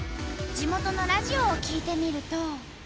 地元のラジオを聞いてみると。